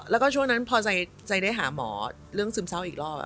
แล้วก็ช่วงนั้นพอใจได้หาหมอเรื่องซึมเศร้าอีกรอบ